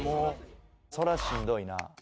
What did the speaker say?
そらしんどいな。